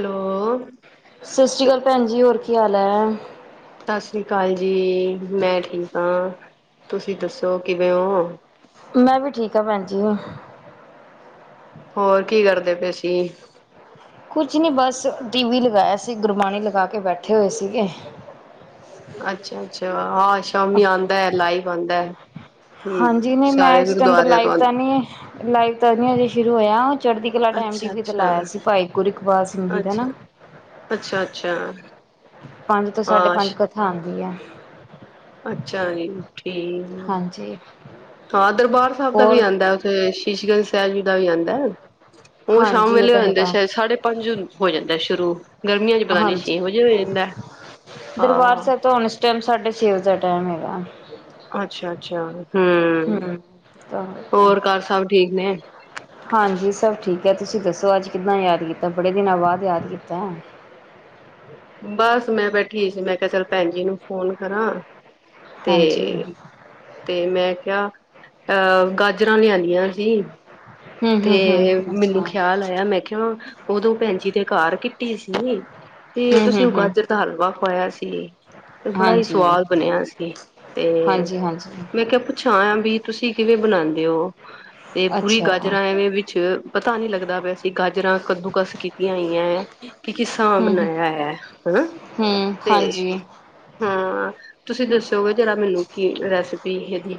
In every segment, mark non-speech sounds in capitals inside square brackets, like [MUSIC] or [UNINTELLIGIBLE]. Hello ਸਸ੍ਰੀ ਅਕਾਲ ਭੈਣ ਜੀ। ਹੋਰ ਕੀ ਹਾਲ? ਲੈ ਸਸ ਸ੍ਰੀ ਅਕਾਲ ਜੀ। ਮੈਂ ਠੀਕ ਆ, ਤੁਸੀਂ ਦੱਸੋ ਕਿਵੇਂ ਓ? ਮੈਂ ਵੀ ਠੀਕ ਆ ਭੈਣ ਜੀ। ਹੋਰ ਕੀ ਕਰਦੇ ਪਏ ਸੀਂ? ਕੁਝ ਨੀ ਬਸ ਟੀ ਵੀ ਲਗਾਇਆ ਸੀ ਗੁਰਬਾਣੀ ਲਗਾ ਕੇ ਬੈਠੇ ਹੋਏ ਸੀਗੇ। ਅੱਛਾ-ਅੱਛਾ। ਹਾਂ ਸ਼ਾਮੀ ਆਦਾ ਹੈ ਲਾਈਵ ਆਉਂਦਾ ਹੈ। ਹਮ ਹਾਂਜੀ ਨਈ ਮੈਂ ਸਾਰੇ ਇਸ ਟਾਈਮ ਦਾ ਗੁਰਦੁਆਰਿਆਂ ਤੋਂ ਲਾਈਵ ਤਾਂ ਆਉਂਦੇ ਨਈ ਐ। ਲਾਈਵ ਤਾਂ ਨਹੀਂ ਹਜੇ ਸ਼ੁਰੂ ਹੋਇਆ। ਚੜ੍ਹਦੀ ਕਲਾ ਟੈਮ ਟੀ ਅੱਛਾ ਵੀ ਤੇ ਅੱਛਾ ਲਾਇਆ ਸੀ ਭਾਈ ਗੁਰੂ ਇਕਬਾਲ ਸਿੰਘ ਜੀ ਦਾ ਅੱਛਾ ਨਾ ਅੱਛਾ ਅੱਛਾ ਪੰਜ ਤੋਂ ਸਾਢੇ ਹਾਂ ਪੰਜ ਕਥਾ ਆਂਦੀ ਐ। ਅੱਛਾ ਜੀ ਠੀਕ। ਹਾਂ ਦਰਬਾਰ ਸਾਹਿਬ ਦਾ ਵੀ ਹੋਰ ਆਉਂਦਾ ਉੱਥੇ ਸ਼ੀਸ਼ ਗੰਜ ਸਾਹਿਬ ਜੀ ਦਾ ਵੀ ਆਉਂਦਾ ਉਹ ਸ਼ਾਮ ਹਾਂਜੀ ਇਹ ਵੇਲੇ ਹੋ ਤਾਂ ਜਾਂਦੇ ਹੈਗਾ ਸ਼ਦ ਸਾਢੇ ਪੰਜ ਹੋ ਜਾਂਦਾ ਸ਼ੁਰੂ। ਗਰਮੀਆਂ ਚ ਪਤਾ ਨੀ ਹਾਂਜੀ। ਛੇ ਵਜੇ ਹੋ ਜਾਂਦਾ ਦਰਬਾਰ ਹਾਂ ਸਾਹਿਬ ਤੋਂ ਹੁਣ ਇਸ ਟਾਈਮ ਸਾਡੇ ਛੇ ਵਜ ਦਾ ਟਾਈਮ ਹੈ। [UNINTELLIGIBLE] ਅੱਛਾ-ਅੱਛਾ। ਹਮ ਤਾਂ ਹੋਰ? ਘਰ ਸਭ ਠੀਕ ਨੇ? ਹਾਂਜੀ ਸਭ ਠੀਕ ਹੈ ਤੁਸੀਂ ਦੱਸੋ ਅੱਜ ਕਿੱਦਾਂ ਯਾਦ ਕੀਤਾ ਬੜੇ ਦਿਨਾਂ ਬਾਅਦ ਯਾਦ ਕੀਤਾ ਬਸ ਮੈਂ ਬੈਠੀ ਸੀ ਮੈਂ ਕਿਹਾ ਚੱਲ ਭੈਣ ਜੀ ਨੂੰ ਫੋਨ ਕਰਾਂ ਹਾਂਜੀ ਤੇ--ਤੇ ਮੈਂ ਕਿਹਾ ਅਹ--ਗਾਜਰਾਂ ਲਿਆਣੀਆਂ ਸੀ ਹਮ ਤੇ ਹਮ ਹਮ ਮੈਨੂੰ ਅੱਛਾ ਖਿਆਲ ਆਇਆ ਮੈਂ ਕਿਹਾ ਉਦੋਂ ਭੈਣ ਜੀ ਦੇ ਘਾਰ ਕਿੱਟੀ ਸੀ ਤੇ ਹਮ ਤੁਸੀਂ ਹਮ ਉਹ ਹਮ ਗਾਜਰ ਦਾ ਹਲਵਾ ਖਵਾਇਆ ਸੀ, ਤੇ ਬੜਾ ਹੀ ਹਾਂਜੀ ਸਵਾਦ ਬਣਿਆ ਸੀ‌। ਤੇ, ਹਾਂਜੀ ਹਾਂਜੀ ਮੈਂ ਕਿਹਾ ਪੁੱਛਾਂ ਆ ਵੀ ਤੁਸੀਂ ਕਿਵੇਂ ਬਣਾਂ ਅਤੇ ਓ ਤੇ ਪੂਰੀ ਅੱਛਾ ਗੱਲ ਹਮ ਜਰਾਂ ਐਵੇਂ ਵਿੱਚ ਪਤਾ ਨੀ ਲੱਗਦਾ ਪਿਆ ਸੀ, ਗਾਜਰਾਂ ਕੱਦੂਕਸ ਕੀਤੀਆਂ ਹੋਈਆਂ ਏਂ, ਕਿ ਕਿਸਾਂ ਹਮ ਬਣਾਇਆ ਇਹ ਹਂ ਹਮ ਤੇ, ਹਾਂਜੀ ਹਾਂ ਤੁਸੀਂ ਦੱਸੋਗੇ ਜਰਾ ਮੈਨੂੰ ਕੀ ਰੈਸ ਹੈਦੀ।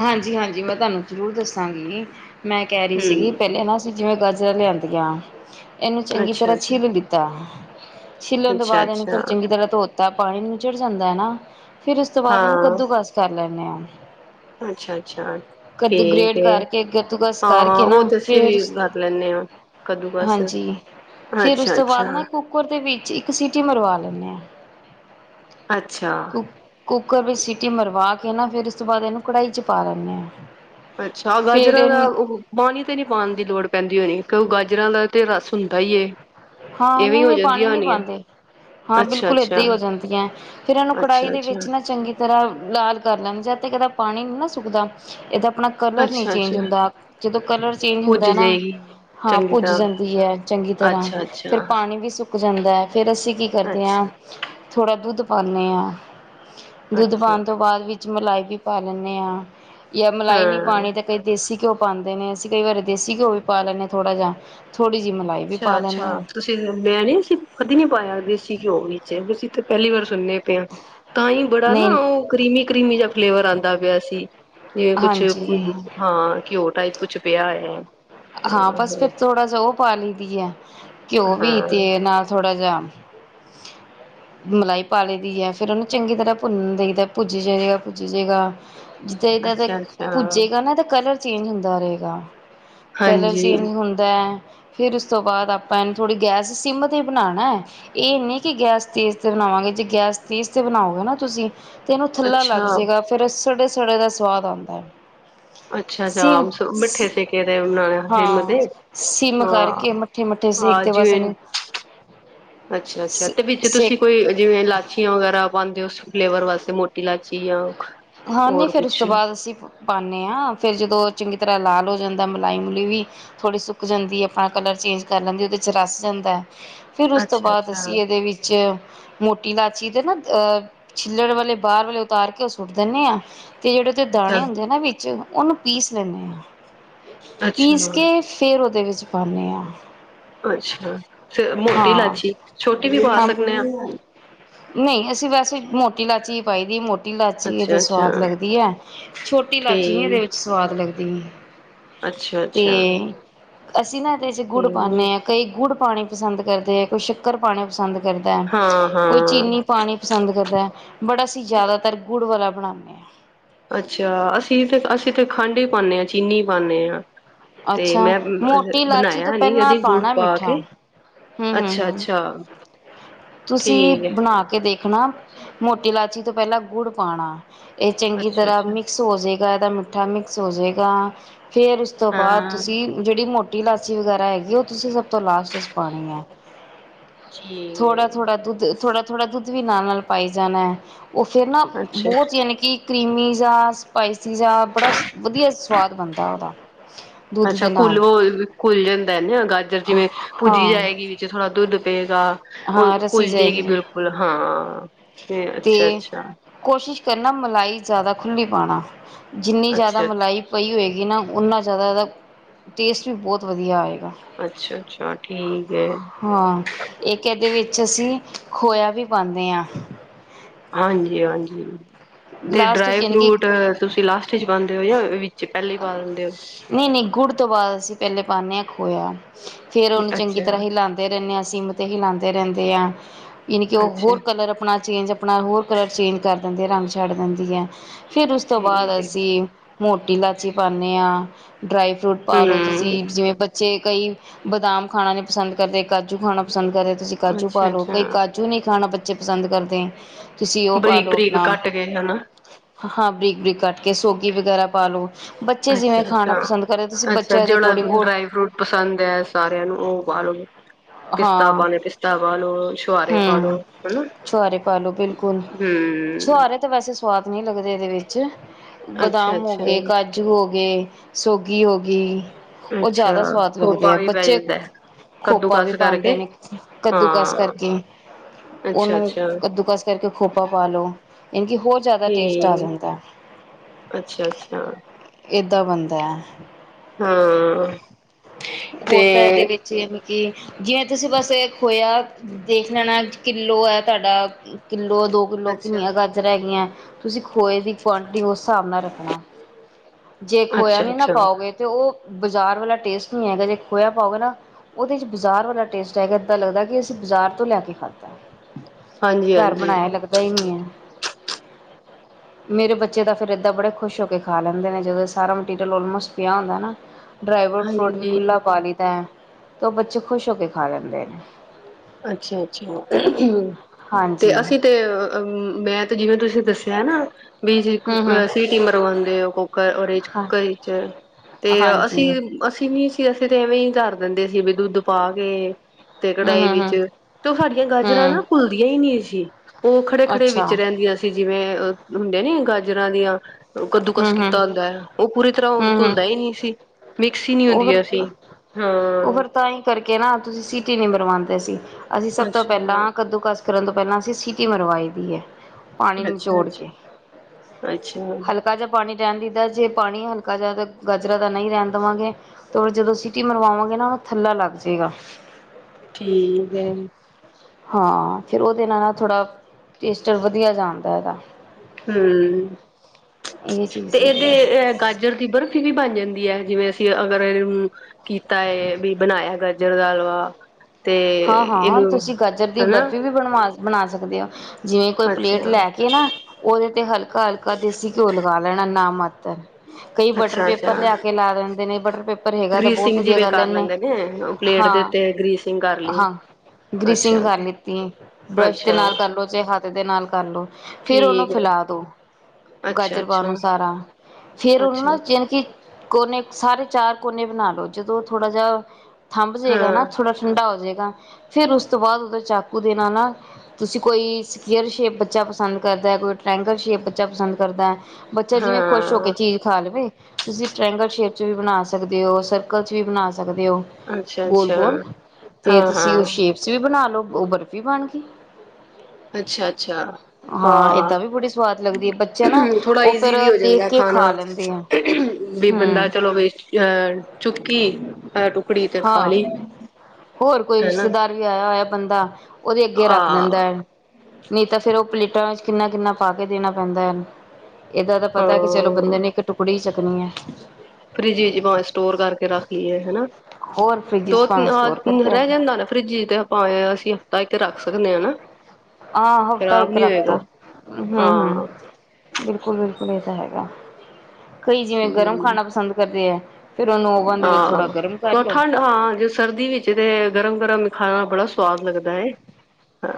ਹਾਂਜੀ-ਹਾਂਜੀ ਮੈਂ ਤੁਹਾਨੂੰ ਜ਼ਰੂਰ ਦੱਸਾਂਗੀ। ਮੈਂ ਕਹਿ ਰਹੀ ਸੀ, ਹਮ ਪਹਿਲੇ ਨਾ ਅਸੀ ਜਿਵੇਂ ਗਾਜਰਾਂ ਲਿਆਂਦੀਆਂ ਇਹਨੂੰ ਚੰਗੀ ਅੱਛਾ ਤਰ੍ਹਾਂ ਜੀ ਛਿੱਲ ਦਿੱਤਾ ਛਿਲਣ ਤੋਂ ਅੱਛਾ ਬਾਅਦ, ਇਹਨੂੰ ਅੱਛਾ ਫਿਰ ਚੰਗੀ ਤਰ੍ਹਾਂ ਧੋ ਤਾਂ ਪਾਣੀ ਨੂੰਚੜ ਜਾਂਦਾ ਹੈ, ਨਾ ਫਿਰ ਉਸ ਤੋਂ ਬਾਅਦ, ਇਹਨੂੰ ਹਾਂ ਕੱਦੂ ਕਸ ਕਰ ਲੈ [UNINTELLIGIBLE] ਅੱਛਾ- ਅੱਛਾ ਠੀਕ ਹੈ। ਕਰਕੇ ਕੱਦੂਕਸ ਹਾਂ, ਹਾਂ ਕਰਕੇ ਉਹ ਨਾ ਤੇ, ਅਸੀਂ ਫਿਰ ਵੀ ਕਰ ਲੈਂਦੇ ਹ ਕੱਦੂ ਕਸ ਹਾਂਜੀ ਫਿਰ ਉਸ ਅੱਛਾ- ਤੋਂ ਬਾਅਦ ਅੱਛਾ। ਨਾ ਕੁੱਕਰ ਦੇ ਵਿੱਚ ਇੱਕ ਸਿਟੀ ਮਰਵਾ ਲੈਨੇ ਆ। ਅੱਛਾ। ਕੁੱਕਰ ਵਿੱਚ ਸੀਟੀ ਮਰਵਾ ਕੇ ਨਾ, ਫਿਰ ਉਸ ਤੋਂ ਬਾਅਦ ਇਹਨੂੰ। ਕੜਾਹੀ ਚ ਪਾ ਲੈਂਨੇ ਹਾਂ। ਅੱਛਾ ਗਾਜਰਾਂ ਦਾ ਫਿਰ ਉਹ ਪਾਣੀ ਤੇ, ਨੀ ਪਾਉਣ ਦੀ ਲੋੜ ਪੈਂਦੀ ਹੋਣੀ ਕਿਉ ਗਾਜ ਦਾ ਤੇ, ਰਸ ਹੁੰਦਾ ਹੀ ਏ। ਹਾਂ, ਇਹ ਵੀ ਹੋ ਨਹੀ-ਨਹੀ ਪਾਣੀ ਜਾਂਦੀਆਂ ਨੀ ਹੋਣੀਆਂ ਪਾਂਦੇ। ਹਾਂ, ਅੱਛਾ ਬਿਲਕੁਲ ਅੱਛਾ ਏਦਾਂ ਹੀ ਹੋ ਜਾਂਦੀਆਂ ਫੇਰ ਇਹਨੂੰ ਕੜਾਹੀ ਅੱਛਾ ਦੇ ਅੱਛਾ ਵਿੱਚ ਨਾ ਚੰਗੀ ਤਰ੍ਹਾਂ ਲਾਲ ਕਰ ਲੈਂਦੇ, ਜਦ ਤੇ ਏਦਾ ਪਾਣੀ ਨੀ [UNINTELLIGIBLE] ਦਾ ਇਹਦਾ ਆਪਣਾ ਕਲਰ ਨਹੀਂ ਅੱਛਾ ਚੇਂਜ ਅੱਛਾ ਹੁੰਦਾ, ਜਦੋਂ ਕਲਰ ਚੇਂਜ ਭੁੱਜ ਹੁੰਦਾ ਨਾ ਜਾਏਗੀ ਹਾਂ ਚੰਗੀ ਭੁਜ ਤਰ੍ਹਾਂ ਜਾਂਦੀ ਹੈ ਚੰਗੀ ਤਰ੍ਹਾਂ ਅੱਛਾ ਫਿਰ ਅੱਛਾ ਪਾਣੀ ਵੀ ਸੁੱਕ ਜਾਂਦਾ ਐ ਫਿਰ ਅਸੀਂ ਕੀ ਕਰਦੇ ਹਾਂ ਅੱਛਾ ਥੋੜ੍ਹਾ ਦੁੱਧ ਪਾਂਨੇ ਹਾਂ। ਦੁੱਧ ਅੱਛਾ ਪਾਣ ਤੋਂ ਬਾਅਦ ਵਿੱਚ। ਮਲਾਈ ਵੀ ਪਾ ਲੈਂਨੇ ਆ। ਯਾ ਮਲਾਈ ਨਹੀਂ ਹਾਂ ਪਾਣੀ ਤਾਂ ਕਈ ਦੇਸੀ ਘਿਓ ਪਾਉਦੇ ਨੇ, ਅਸੀਂ ਕਈ ਵਾਰੀ ਦੇਸੀ ਘਿਓ ਵੀ ਪਾ ਲੈਂਦੇ ਹਾਂ, ਥੋੜ੍ਹਾ ਜਹਾ। ਥੋੜ੍ਹੀ ਜਿਹੀ ਮਲਾਈ ਵੀ ਅੱਛਾ ਪਾ ਲੈਂਨੇ ਅੱਛਾ ਹਾਂ। ਤੁਸੀਂ ਮੈਂ ਨੀਂ ਅਸੀਂ ਕਦੀ ਨੀ ਪਾਇਆ ਦੇਸੀ ਘਿਓ ਵਿੱਚ। ਅੱਸੀ ਤੇ ਪਹਿਲੀ ਵਾਰ ਸੁਣਨੇ ਪਏ ਆ ਤਾਂ ਹੀ ਬੜਾ ਨਾ ਨਹੀਂ ਉਹ ਕਰੀਮੀ ਕਰੀਮੀ ਜਾਂ। ਫਲੇਵਰ ਆਂਦਾ ਪਿਆ ਸੀ। ਤੇ ਕੁਛ ਹਾਂਜੀ ਹਾਂ ਘਿਓ ਟਾਈਪ ਕੁ ਚ ਪਿਆ ਏ। ਹਾਂ ਬਸ ਫੇਰ ਥੋੜਾ ਜਾ ਓ ਪਾ ਲਈ ਦੀ ਹੈ। ਘਿਓ ਵੀ ਹਾਂ ਤੇ ਨਾਲ ਥੋੜਾ ਜਾ। ਮਲਾਈ ਪਾ ਲਈ ਦੀ ਹ ਫਿਰ ਉਹਨੂੰ ਚੰਗੀ ਤਰਾਂ ਭੁੰਨ ਲਈਦਾ। ਭੁੱਜੀ ਜਾਏਗਾ, ਭੁੱਜੀ ਜਾਏਗਾ। ਜਿੰਦਾ ਜਿੰਦਾ ਅੱਛਾ ਅੱਛਾ ਭੁੱਜੇਗਾ ਨਾ ਇਦਾ ਕਲਰ ਚੇਂਜ ਹੁੰਦਾ ਰਹੇਗਾ। ਕਲਰ ਹਾਂਜੀ ਚੇਂਜ ਹੁੰਦਾ ਹੈ। ਫਿਰ ਉਸ ਤੋਂ ਬਾਅਦ ਆਪਾਂ ਇਹਨੂੰ ਥੋੜ੍ਹੀ ਗੈਸ ਸਿੰਮ ਤੇ ਈ ਬਨਾਨਾ, ਇਹ ਨਹੀਂ ਕਿ ਗੈਸ ਤੇਜ਼ ਤੇ ਬਣਾਵਾਂਗੇ। ਜੇ ਗੈਸ ਤੇਜ਼ ਤੇ ਬਣਾਓਗੇ ਨਾ ਤੁਸੀਂ। ਤੇ ਇਹਨੂੰ ਥੱਲਾ ਲੱਗ ਅੱਛਾ ਜਾਇਗਾ ਫੇਰ। ਸੜੇ ਸੜੇ ਦਾ ਸਵਾਦ ਆਂਦਾ। ਅੱਛਾ-ਅੱਛ ਮਿੱਠੇ ਸੇਕੇ ਦੇ। ਬਣਾਣਾ ਸਿਮ ਹਾਂ ਤੇ ਸਿਮ ਹਾਂ ਕਰਕੇ ਮੱਠੇ ਮੱਠੇ ਸੇਕ ਆ ਤੇ ਬਸ ਜਿਵੇਂ, ਇਹਨੂੰ ਸ ਅੱਛਾ-ਅੱਛਾ ਤੇ ਵਿੱਚ ਤੁਸੀਂ ਸੇਕ ਕੋਈ ਜਿਵੇਂ ਇਲਾਚੀਆਂ ਵਗੈਰਾ। ਪਾਉਂਦੇ ਹੋ ਉਸ ਫਲੇਵਰ ਵਾਸਤੇ ਮੋਟੀ ਇਲਾਇਚੀ ਜਾਂ। ਹਾਂ ਨਹੀਂ ਹੋਰ ਫੇਰ ਉਸ ਕੁਛ ਤੋਂ ਬਾਅਦ ਅਸੀਂ। ਪਾਣੇ ਹਾਂ ਫਿਰ ਜਦੋਂ ਚੰਗੀ ਤਰ੍ਹਾਂ ਲਾਲ ਹੋ ਜਾਂਦਾ ਮਲਾਈ ਮੁਲਾਈ ਵੀ ਥੋੜ੍ਹੀ ਸੁੱਕ ਜਾਂਦੀ, ਆਪਣਾ ਕਲਰ ਚੇਂਜ ਕਰ ਲੈਂਦੀ ਉਹਦੇ ਚ ਰਸ ਜਾਂਦਾ। ਫਿਰ ਉਸ ਤੋਂ ਬਾਅਦ ਅੱਛਾ-ਅੱਛਾ, ਅਸੀਂ ਇਹਦੇ ਵਿੱਚ। ਮੋਟੀ ਲਾਚੀ ਦੇ ਨਾ ਅਹ ਛਿੱਲੜ ਵਾਲੇ ਬਾਹਰ ਵਾਲੇ ਉਤਾਰ ਕੇ ਉਸ ਸੁੱਟ ਦੇਣੇ ਆ। ਤੇ ਜਿਹੜੇ ਉਹਦੇ ਅੱਛਾ, ਦਾਣੇ ਹੁੰਦੇ ਨੇ ਵਿੱ ਚ ਉਹਨੂੰ ਪੀਸ ਲੈਂਨੇ ਹਾਂ। ਪੀਸ ਅੱਛਾ। ਕੇ ਫੇਰ ਉਹਦੇ ਵਿੱਚ। ਚ ਪਾਣੇ ਆਂ। ਅੱਛਾ। ਮੋਟੀ ਇਲਾਚੀ ਛੋਟੀ ਵੀ ਪਾ ਹਮ ਸਕਨੇ ਹਾਂ। ਨਹੀਂ ਅਸੀਂ ਵੈਸੇ ਮੋਟੀ ਲਾਚੀ ਪਾਈ ਦੀ ਮੋ ਟੀ ਲਾਚੀ ਇਹਦੇ ਤੇ ਅੱਛਾ-ਅੱਛਾ, ਸਵਾਦ ਲਗਦੀ ਹੈ, ਛੋਟੀ ਲਾਚੀ ਨੀ ਇਹਦੇ ਠੀਕ ਵਿੱਚ ਸਵਾਦ ਲਗਦੀ। ਤੇ ਅੱਛਾ-ਅੱਛਾ। ਅਸੀਂ ਨਾ ਤੇ ਚ ਗੁੜ ਠੀਕ। ਪਾਨੇ ਆ ਕਈ ਗੁੜ ਪਾਣੀ ਪਸੰਦ ਕਰਦੇ ਹੈ ਕੋਈ ਸ਼ੱਕਰ ਪਾਣੀ ਪਸੰਦ ਕਰਦਾ, ਕੋਈ ਹਾਂ-ਹਾਂ। ਚੀਨੀ ਪਾਣੀ ਪਸੰਦ ਕਰਦਾ ਹੈ ਬੜਾ ਸੀ ਜ਼ਿਆਦਾਤਰ ਗੁੜ ਵਾਲਾ ਬਣਾਉਂਣੇ, ਅੱਛਾ, ਅਸੀਂ ਤੇ ਅਸੀਂ ਤੇ ਖੰਡ ਹੀ ਪਾਉਦੇ ਹਾਂ ਚੀਨੀ ਪਾਨੇ ਹਾਂ। ਅੱਛਾ ਮੋਟੀ ਇਲਾਚੀ ਤੋਂ ਨੀ ਪਹਿਲਾਂ ਕਦੀ ਗੁੜ ਪਾਉਣਾ ਪਾ ਮਿੱਠਾ, ਕੇ ਹੂੰ, ਹੂੰ, ਅੱਛਾ ਹੂੰ, ਅੱਛਾ ਤੁਸੀਂ ਠੀਕ ਹੈ ਬਣਾ ਕੇ ਦੇਖ ਹਨਾ ਮੋਟੀ ਇਲਾਚੀ ਤੋਂ ਪਹਿਲਾਂ ਗੁੜ ਪਾਉਣਾ, ਇਹ ਚੰਗੀ ਅੱਛਾ ਤਰ੍ਹਾਂ ਅੱਛਾ ਮਿਕਸ ਹੋ ਜਾਏ ਦਾ ਮਿੱਠਾ ਮਿਕਸ ਹੋ ਜਾਏਗਾ ਫੇਰ, ਤੋਂ ਬਾਅਦ ਹਾਂ ਤੁਸੀਂ ਜਿਹੜੀ ਮੋ ਰੋਟੀ ਲਾਸੀ ਵਗੈਰਾ ਹੈਗੀ ਉਹ ਤੁਸੀਂ ਸਭ ਤੋਂ ਲਾਸਟ ਚ ਪਾਉਣੀ ਹੈ। ਠੀਕ ਥੋੜ੍ਹਾ ਹੈ ਥੋੜ੍ਹਾ ਦੁੱਧ ਥੋੜਾ ਥੋੜ੍ਹਾ ਦੁੱਧ ਵੀ ਨਾਲ ਨਾਲ ਪਾਈ ਜਾਣਾ। ਉਹ ਫਿਰ ਨਾ ਅੱਛਾ ਬਹੁਤ ਯਾਨੀ ਕਿ ਕਰੀਮੀ, ਜਾ ਸਪਾਈਸੀ ਜਾ ਬੜਾ ਵਧੀਆ ਸਵਾਦ ਬਣਦਾ ਉਹਦਾ। ਦੁੱਧ ਅੱਛਾ ਦੇ ਨਾਲ ਕੁੁੱਲ ਘੁੱਲ ਜਾਂਦਾ ਗਾਜਰ ਜਿਵੇਂ ਭੁੱਜੀ ਹਾਂ ਜਾਏਗੀ ਵਿੱਚ ਥੋੜ੍ਹਾ ਦੁੱਧ ਪਏਗਾ ਉਹ ਹਾਂ ਘੁੱਲ ਰਸੀ ਜਾਏਗੀ ਬਿਲਕੁਲ ਹਾਂ, ਤੇ ਅੱਛਾ-ਅੱਛਾ। ਕੋਸ਼ਿਸ਼ ਕਰਨਾ ਮਲਾਈ ਜ਼ਿਆਦਾ ਖੁੱਲੀ ਪਾਉਣਾ। ਜਿੰਨੀ ਜ਼ਿਆਦਾ ਅੱਛਾ ਅੱਛਾ ਮਲਾਈ ਪਈ ਹੋਏਗੀ ਇਹਨਾ ਉਹਨਾਂ ਜ਼ਿਆਦਾ ਇਹਦਾ ਟੇਸਟ ਵੀ ਬਹੁਤ ਵਧੀਆ ਆਏਗਾ ਅੱਛਾ ਅੱਛਾ ਠੀਕ ਹੈ ਹਾਂ, ਇੱਕ ਇਹਦੇ ਵਿੱਚ ਅਸੀਂ ਖੋਆ ਵੀ ਪਉਂਦੇ ਹਾਂ। ਹਾਂਜੀ-ਹਾਂਜੀ। ਤੇ ਲਾਸਟ ਡਰਾਈ 'ਚ ਯਾਨੀ ਕਿ ਫਰੂਟ ਤੁਸੀਂ ਲਾਸਟ ਚ ਪਾਉਂਦੇ ਹੋ ਜਾਂ ਵਿੱਚ ਪਹਿਲੇ ਪਾਲਦੇ ਹੋ, ਨਈ, ਨਈ ਗੁੜ ਤੋਂ ਬਾਦ ਅਸੀਂ ਪਹਿਲੇ ਪਾਨੇ ਖੋਆ ਫੇਰ ਉਹਨੂੰ ਚੰਗੀ ਤਰ੍ਹਾਂ ਅੱਛਾ ਹਿਲਾਂਦੇ ਰੈਨੇਆਂ। ਸਿਮ ਤੇ ਹਿਲਾਂਦੇ ਰਹਿੰਦੇ ਆ। ਇਹਨੀ ਕਿ ਉਹ, ਅੱਛਾ ਹੋਰ ਕਲਰ ਅਪਣਾ ਚੇਂਜ ਅਪਨਾ ਹੋਰ ਕਲਰ ਚੇਂਜ ਕਰ ਦਿੰਦੇ ਐ, ਰੰਗ ਛੱਡ ਦਿੰਦੀ ਐ। ਫੇਰ ਉਸ ਤੋਂ ਬਾਦ ਠੀਕ ਹੈ ਅਸੀਂ ਮੋਟੀ ਇਲਾਚੀ ਪਾਨੇ ਆਂ। ਡਰਾਈ-ਫਰੂਟ ਪਾ ਲੋ ਤੁਸੀ, ਹੂੰ ਜਿਵੇਂ ਬੱਚੇ ਕਈ ਬਦਾਮ ਖਾਣਾ ਨੀ ਪਸੰਦ ਕਰਦੇ, ਕਾਜੂ ਖਾਣਾ ਪਸੰਦ ਕਰੇ। ਤੁਸੀਂ ਕਾਜੂ ਪਾ ਅੱਛਾ ਲੋ, ਅੱਛਾ ਕੋਈ ਕਾਜੂ ਨੀ ਖਾਣਾ ਬੱਚੇ ਬੱਚੇ ਪਸੰਦ ਕਰਦੇ। ਤੁਸੀ ਓ ਪਾ ਬਰੀਕ ਲੋ ਬਰੀਕ ਆਪਨਾ ਕੱਟ ਕੇ ਹਨਾ ਹਾਂ, ਬਰੀਕ-ਬਰੀਕ ਕੱਟ ਫੇਰ ਸੋਗੀ ਵਗੈਰਾ ਪਾ ਲੋ। ਬੱਚੇ ਜਿਵੇਂ ਅੱਛਾ ਖਾਣਾ ਅੱਛਾ ਪਸੰਦ ਕਰਦੇ ਤੁਸੀਂ ਅੱਛਾ, ਬੱਚਿਆਂ ਦੇ ਜੇੜਾ ਅਕੋਰਡਿੰਗ ਹੋਰ ਡਰਾਈ-ਫਰੂਟ ਪਸੰਦ ਐ ਸਾਰਿਆਂ ਨੂੰ ਓ ਪਾਲੋ, ਪਿਸਤਾ ਹਾਂ ਪਾਨੈ ਪਿਸਤਾ ਪਾਲੋ, ਛੁਆਰੇ ਪਾਲੋ ਹੂੰ ਹਨਾ ਛੁਹਾਰੇ ਪਾ ਲੋ ਬਿਲਕੁਲ ਹੂੰ ਛੁਹਾਰੇ ਤਾਂ ਵੈਸੇ ਸਵਾਦ ਨੀ ਲਗਦੇ ਇਦੇ ਵਿੱਚ ਅੱਛਾ ਬਦਾਮ ਹੋ ਅੱਛਾ ਗਏ, ਕਾਜੂ ਹੋ ਗੇ ਸੋਗੀ ਹੋ ਗੀ। ਉਹ ਅੱਛਾ ਜਾਦਾ ਸਵਾਦ ਲੱਗਦੇ ਖੋਪਾ ਐ, ਵੀ ਪੈ ਬੱਚੇ ਜਾਂਦਾ ਕੱਦੂ ਖੋਪਾ ਵੀ ਕਸ ਪਾਂਦੇ ਕਰਕੇ ਨੇ ਕੱਦੂਕਸ ਹਾਂ ਕਰਕੇ ਅੱਛਾ ਉਨੂੰ ਅੱਛਾ ਕੱਦੂਕਸ ਕਰਕੇ ਖੋਪਾ ਪਾ ਲੋ। ਇੰਜੀ ਹੋਰ ਜਾਦਾ ਟੇਸਟ ਆ ਠੀਕ ਜਾਂਦੈ। ਅੱਛਾ ਅੱਛਾ ਇਦਾਂ ਬਨ ਦੈ ਹਾਂ, ਤੇ ਹੋਰ ਤਾਂ ਇਹਦੇ ਵਿੱਚ ਯਾਨੀ ਕਿ ਜਿਵੇਂ ਤੁਸੀ ਬਸ ਏ ਖੋਇਆ ਦੇਖ ਲੈਨਾ, ਕਿੱਲੋ ਹੈ ਤੁਹਾਡਾ ਕਿ ਦੋ-ਦੋ ਕਿੱਲੋ ਅੱਛਾ ਕਿੰਨੀਆਂ ਗਾਜਰਾ ਹੈਗੀ ਐਂ। ਤੁਸੀਂ ਖੋਏ ਦੀ ਕੁਆਂਟਿਟੀ ਉਸ ਹਿਸਾਬ ਨਾਲ ਰੱਖਨਾ। ਖੋਇਆ ਅੱਛਾ ਨੀ ਨਾ ਅੱਛਾ ਪਾਓਗੇ ਤੇ ਉਹ ਬਜ਼ਾਰ ਵਾਲਾ ਟੇਸਟ ਨੀ ਆਏਗਾ, ਜੇ ਖੋਇਆ ਪਾਓਗੇ ਨਾ ਉਹਦੇ ਚ ਬਜ਼ਾਰ ਵਾਲਾ ਟੇਸਟ ਆਏਗਾ ਇੱਦਾਂ ਲੱਗਦਾ ਕਿ ਅਸੀ ਬਜ਼ਾਰ ਤੋ ਲਿਆ ਕੇ ਖਾਦੈ। ਹਾਂਜੀ ਘਰ ਹਾਂਜੀ ਬਣਾਇਆ ਲੱਗਦਾ ਈ ਨੀ ਐ। ਮੇਰੇ ਬੱਚੇ ਤਾਂ ਫੇਰ ਇੱਦਾ ਬੜੇ ਖੁਸ਼ ਹੋ ਕੇ ਖਾ ਲੈਂਦੇ ਨੇ, ਜਦੋਂ ਅਸੀਂ ਸਾਰਾ ਮੈਟੀਰੀਅਲ ਆਲਮੋਸਟ ਪਿਆ ਹੁੰਦਾ ਨਾ। ਡਰਾਈਵਰ ਫਰੂਟ ਵੀ ਹਾਂਜੀ ਖੁੱਲਾ ਪਾ ਲਈਦੈ। ਤੇ ਉਹ ਬੱਚੇ ਖੁਸ਼ ਹੋ ਕੇ ਖਾ ਲੈਂਦੇ ਨੇ। ਅੱਛਾ- ਅੱਛਾ, ਹੂੰ ਤੇ ਹਾਂਜੀ ਅਸੀਂ ਤੇ ਅ ਮੈਂ ਤੇ ਜਿਵੇਂ ਤੁਸੀਂ ਦੱਸਿ ਹੈ ਨਾ। ਵੀ ਜੀ ਹੂੰ ਹੂੰ ਸੀਟੀ ਮਰਵਾਉਂਦੇ ਹੋ ਕੁਕਰ ਓਰੇ ਹਾਂ ਕੁੱਕਰ ਵਿੱਚ ਤੇ ਹਾਂਜੀ ਅਸੀਂ ਅਸੀਂ ਨੀ ਸੀ ਅਸੀਂ ਤੇ ਐਵੇਂ ਹੀ ਧਰ ਦਿੰਦੇ ਜਿਵੇਂ ਦੁੱਧ ਪਾ ਕੇ ਤੇ ਹੂੰ ਕੜਾਈ ਹੂੰ ਵਿ ਹੂੰ ਤੇ ਉਹ ਸਾਡੀਆਂ ਗਾਜਰਾਂ ਨਾ ਹੂੰ ਘੁਲਦੀਆਂ ਹੀ ਨਹੀਂ ਸੀ ਉਹ ਖੜੇ ਖੜੇ ਅੱਛਾ ਵਿੱਚ ਰਹਿੰਦੀਆਂ ਸੀ ਜਿਵੇਂ ਅ ਹੁੰਦੇ ਨੀ ਗਾਜਰਾਂ ਦੀਆਂ ਹੂੰ ਕੱਦੂਕਸ ਹੂੰ ਕੀਤਾ ਹੁੰਦਾ ਹੈ ਉਹ ਪੂਰੀ ਤਰ੍ਹਾਂ ਹੂੰ ਹੂੰ ਘੁਲਦਾ ਹੀ ਨਹੀਂ ਸੀ ਮਿਕਸ ਹੀ ਨਹੀਂ ਉਹ ਫਿਰ ਹੁੰਦੀਆਂ ਸੀ ਉਹ ਹਾਂ। ਫਿਰ ਦੇ ਸੀ। ਅਸੀ ਸਭ ਤੋਂ ਪਹਿਲਾਂ ਕੱਦੂ ਕਸ ਕਰਨ ਤੋਂ ਪਹਿਲਾਂ ਅਸੀਂ ਸਿਟੀ ਮਰਵਾਈ ਦੀ ਹੈ। ਪਾਣੀ ਅੱਛਾ ਨਿਚੋੜ ਅੱਛਾ ਕੇ ਅੱਛਾ। ਹਲਕਾ ਜਿਹਾ ਪਾਣੀ ਰਹਿਣ ਦੀ ਦਾ ਜੇ ਪਾਣੀ ਹਲਕਾ ਜਿਦਾ ਗਾਜਰਾਂ ਦਾ ਨਹੀਂ ਰਹਿਣ ਦੇਵਾਂਗੇ ਤੇ ਜਦੋਂ ਸਿਟੀ ਮਰਵਾਵਾਂਗੇ ਨਾ ਉਹ ਥੱਲਾ ਲੱਗ ਜਏਗਾ। ਠੀਕ ਹੈ। ਹਾਂ ਫਿਰ ਉਹਦੇ ਨਾਲ ਨਾ ਥੋੜਾ ਟੇਸਟ ਵਧੀਆ ਜਾ ਆਂਦਾ ਇਹਦਾ। ਹਮ। ਇਹ ਤੇ ਚੀਜ਼ ਹੈਗੀ ਹੈ ਇਹਦੇ ਅ ਗਾਜਰ ਦੀ ਬਰ ਫੀ ਵੀ ਬਣ ਜਾਂਦੀ ਹੈ ਜਿਵੇਂ ਅਸੀਂ ਅਗਰ ਇਹ ਹੁ ਕੀਤਾ ਹੈ ਵੀ ਬਣਾਇਆ ਗ ਜਰ ਦਾ ਹਲਵਾ। ਤੇ ਹਾਂ ਹਾਂ ਇਹਨੂੰ ਤੁਸੀਂ ਗਾਜਰ ਦੀ ਹਨਾ ਬਰਫ਼ੀ ਵੀ ਬਣਵਾ ਬਣਾ ਸਕਦੇ ਹੋ। ਜਿਵੇਂ ਕੋਈ ਪਲੇਟ ਅੱਛਾ ਲੈ ਕੇ ਨਾ ਉਹਦੇ ਤੇ ਹਲਕਾ ਹਲਕਾ ਦੇਸੀ ਘਿਓ ਲਗਾ ਲੈਣਾ ਨਾ ਮਾ ਤਰ ਕਈ ਬਟਰ ਅੱਛਾ ਪੇਪਰ ਅੱਛਾ ਲਿਆ ਕੇ ਲਾ ਦਿੰਦੇ ਨੇ ਬਟਰ ਪੇਪਰ ਹੈਗਾ ਤਾਂ ਬਹੁਤ ਗ੍ਰੀਸਿੰਗ ਵਧੀਆ ਜਿਵੇਂ ਗੱਲ ਏ ਕਰ ਨ ਲੈਂਦੇ ਨੇ ਪਲੇਟ ਦੇ ਉੱਤੇ ਗ੍ਰੀਸਿੰਗ ਕਰ ਲਈ ਹਾਂ ਗ੍ਰਸਿੰਗ ਅੱਛਾ ਕਰ ਅੱਛਾ ਲਿੱਤੀ ਬਰੱਸ਼ ਦੇ ਅੱਛਾ ਨਾਲ ਕਰ ਲੋ ਚਾਏ ਹੱਥ ਦੇ ਨਾਲ ਕਰ ਲੋ ਫੇਰ ਉਹਨੂੰ ਠੀਕ ਹੈ ਫੈਲਾ ਦੋ। ਅੱਛਾ ਗਾਜਰ ਪਾਨੂੰ ਅੱਛਾ ਸਾਰਾ। ਫੇਰ ਉਹੂੰ ਨਾ ਅੱਛਾ ਚਿਨਕੀ ਕੋਨੇ ਸਾਰੇ ਚਾਰ ਕੋਨੇ ਬਣਾ ਲਓ ਜਦੋਂ ਥੋੜ੍ਹਾ ਜਿਹਾ ਥੰਬ ਜਾਏਗਾ ਨਾ ਹਾਂ ਥੋੜਾ ਹੋ ਜੇਗਾ ਫਿਰ ਉਸ ਤੋਂ ਬਾਅਦ ਉਦੇ ਚਾਕੂ ਦੇ ਨਾਲ ਨਾ ਤੁਸੀਂ ਕੋਈ ਸਕੀਅਰ ਸ਼ੇਪ ਬੱਚਾ ਪਸੰਦ ਕਰਦਾ ਕੋਈ ਟ੍ਰੈਂਗਲ ਸ਼ੇਪ ਬੱਚਾ ਪਸੰਦ ਕਰਦਾ ਐ। ਬੱਚਾ ਜਿਵੇਂ ਖੁਸ਼ ਹੋ ਹਾਂ ਕੇ ਚੀਜ਼ ਖਾ ਲਵੇ। ਤੁਸੀਂ ਟ੍ਰੈਂਗਲ ਸ਼ੇਪ ਚ ਵੀ ਬਣਾ ਸਕਦੇ ਹੋ, ਸਰਕਲ ਚ ਵੀ ਬਣਾ ਸਕ ਸਕਦੇ ਹੋ। ਅੱਛਾ ਗੋਲ ਅੱਛਾ -ਗੋਲ ਤੇ ਹਾਂ ਤੁਸੀਂ ਹਾਂ ਉਹ ਸ਼ੇਪਸ ਵੀ ਬਣਾ ਲਓ। ਉਹ ਬਰਫ਼ੀ ਬਣ ਗੀ। ਅੱਛਾ- ਅੱਛਾ ਹਾਂ, ਏਦਾਂ ਵੀ ਬੜੀ ਸਵਾਦ ਲੱਗਦੀ ਹੈ ਬੱਚੇ ਨਾ ਥੋੜਾ ਉਹ ਈਜੀ ਫੇਰ ਵੀ ਹੋ ਦੇਖ ਜਾਂਦਾ ਕੇ ਖਾ ਖਾਣਾ। ਲੈਂਦੇ ਆ ਵੀ ਬੰਦਾ ਹਮ ਚਲੋ ਵੀ ਅਹ ਚੁੱਕੀ। ਅ ਟੁਕੜੀ ਤੇ ਖਾ ਹਾਂ, ਲਈ ਹੋਰ ਕੋਈ ਹਨਾ ਰਿਸ਼ਤੇਦਾਰ ਵੀ ਆਇਆ ਹੋਇਆ ਬੰਦਾ ਉਹਦੇ ਅੱਗੇ ਰੱਖ ਲੈਂਦਾ ਆਹ ਹੈ। ਨਹੀਂ ਤਾਂ ਫੇਰ ਉਹ ਪਲੇਟਾਂ ਵਿੱਚ ਕਿੰਨਾ- ਕਿੰਨਾ ਪਾ ਕੇ ਦੇਣਾ ਪੈਂਦਾ। ਹੈਨ, ਏਦਾਂ ਦਾ ਪਤਾ ਕਿ ਹਾਂ ਚਲੋ ਬੰਦੇ ਨੇ ਇੱਕ ਟੁਕੜੀ ਚ ਸਕੱਕਣੀਆਂ ਫਰੀਜ ਸਟੋਰ ਕਰਕੇ ਰੱਖ ਲਈਏ ਹਨਾ। ਹੋਰ ਫਰਿੱਜ ਚ ਭਾਵੇਂ ਸਟੋਰ ਦੋਹ ਕਰਕੇ ਰਹਿ ਰੱਖ ਜਾਂਦਾ ਨਾ ਫਰਿੱਜ ਤੇ ਆਪ ਅ ਸੀ ਇੱਥੇ ਰੱਖ ਸਕਦੇ ਆ ਨਾ? ਹਾਂ। ਹਫ਼ਤਾ ਖ਼ਰਾਬ ਇੱਕ ਨੀ ਰੱਖ ਹੋਏਗਾ ਦੋ। ਹਮ -ਹਮ ਹਾਂ ਬਿਲਕੁਲ- ਬਿਲਕੁਲ ਇਹ ਤਾਂ ਹੈਗਾ। ਕਈ ਜਿਵੇਂ ਗਰਮ ਹਮ ਖਾਣਾ ਪਸੰਦ ਕਰਦੇ ਹੈ। ਫਿਰ ਉਹਨੂੰ ਓਵਨ ਦੇ ਵਿੱਚ ਥੋੜਾ ਗਰਮ ਕਰ ਹਾਂ, ਲਓ ਠੰਡ ਹਾਂ ਜ ਸਰਦੀ ਵਿੱਚ ਤੇ ਗਰਮ- ਗਰਮ ਖਾਣਾ ਬੜਾ ਸਵਾਦ ਲੱਗਦਾ ਹੈ।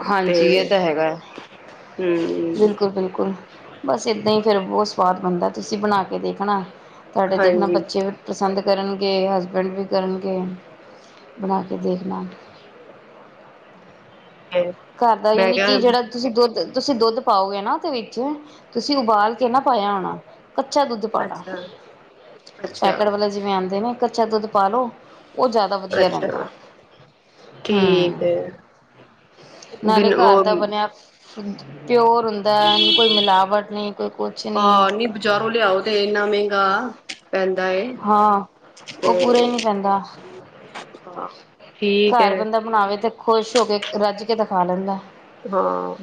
ਹਾਂਜੀ, ਤੇ ਇਹ ਤਾਂ ਹੈਗਾ ਹੈ। ਹਮ ਬਿਲਕੁਲ -ਬਿਲਕੁਲ ਬਸ ਏਦਾਂ ਹੀ ਫੇਰ ਬਹੁਤ ਸਵਾਦ ਬਣਦਾ ਤੁਸੀਂ ਬਣਾ ਕੇ ਦੇਖਣਾ। ਤੁਹਾਡੇ ਦੇਖਣਾ ਹਾਂਜੀ ਬੱਚੇ ਵੀ ਪਸੰਦ ਕਰਨਗੇ, ਹਸਬੈਂਡ ਵੀ ਕਰਨਗੇ। ਬਣਾ ਕੇ ਦੇਖਣਾ। ਘਰ ਦਾ ਮੈਂ ਯਾਨੀ ਕਿ ਕਿਹਾ ਜਿਹੜਾ ਤੁਸੀਂ ਦੁੱਧ ਤੁਸੀਂ ਦੁੱਧ ਪਾਓਗੇ ਨਾ ਉਹਦੇ ਵਿੱਚ ਤੁਸੀਂ ਉਬਾਲ ਕੇ ਨਾ ਪਾਇਆ ਹੋਣਾ। ਕੱਚਾ ਦੁੱਧ ਪਾਉਣਾ। ਅੱਛਾ ਅੱਛਾ ਪੈਕਟ ਵਾਲੇ ਜਿਵੇਂ ਆਉਂਦੇ ਨੇ ਕੱਚਾ ਦੁੱਧ ਪਾਲੋ। ਉਹ ਜ਼ਿਆਦਾ ਵਧੀਆ ਰਹਿੰਦਾ ਹੈ। ਅੱਛਾ ਠੀਕ ਹਮ, ਹੈ ਨਾਲੇ ਬਿਨ ਘਰ ਦਾ ਉਹ ਬਣਿਆ, [UNINTELLIGIBLE] ਪਿਓਰ ਹੁੰਦਾ ਨੂੰ ਕੋਈ ਮਿਲਾਵਟ ਨਹੀਂ ਕੋਈ ਕੁਛ ਨੀ ਹਾਂ ਬਜ਼ਾਰੋਂ ਲਿਆਓ ਤੇ ਇੰਨਾ ਮਹਿੰਗਾ ਪੈਂਦਾ ਏ ਹਾਂ, ਤੇ ਉਹ ਪੂਰਾ ਹੀ ਨਹੀਂ ਪੈਂਦਾ। ਹਾਂ ਠੀਕ ਘਰ ਹੈ ਬੰਦਾ ਬਣਾਵੇ ਤੇ, ਖੁਸ਼ ਹੋ ਕੇ ਰੱਜ ਦਿਖਾ ਲੈਂਦਾ ਹਾਂ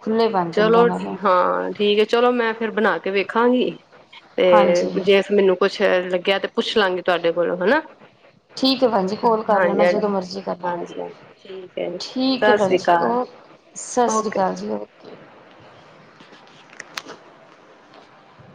ਖੁੱਲੇ ਬਣ ਚਲੋ ਜਾਂਦਾ ਨਾਲੇ ਹਾਂ ਠੀਕ ਹੈ ਚਲੋ ਮੈਂ ਫੇਿਰ ਬਣਾ ਕੇ ਵੇਖ ਖਾਂਗੀ ਤੇ ਹਾਂਜੀ ਜੇ ਅ ਮੈਨੂੰ ਕੁਛ ਲੱਗਿਆ ਤੇ ਪੁੱਛ ਲਾਂਗੇ ਤੁਹਾਡੇ ਕੋਲੋਂ ਹਨਨਾ ਠੀਕ ਹੈ ਭੈਣ ਜੀ ਕੋਲ ਕਰ ਹਾਂਜੀ ਲੈਣਾ ਹ ਜਦੋਂ ਮਰਜ਼ੀ ਕਰਨਾ। ਹਜੀ ਹ ਠੀਕ ਹੈ ਜੀ ਠੀਕ ਹੈ ਸਤ ਭੈਣ ਸ੍ਰੀ ਜੀ ਅਕਾਲ ਓ ਸਤਿ ਸ਼੍ਰੀ ਓਕੇ ਅਕਾਲ ਜੀ ਓਕੇ।